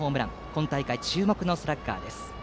今大会注目のスラッガーです。